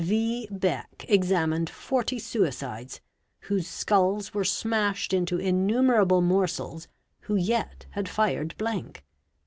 V. Beck examined © forty suicides, whose skulls were smashed into innumerable morsels, who yet had fired blank.